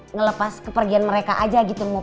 ngelepas kepergian mereka aja gitu